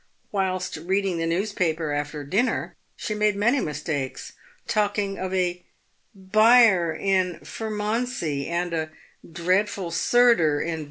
"Whilst reading the newspaper after dinner, she made many mistakes — talking of a hive in JPermondsey, and a dreadful surder in 2?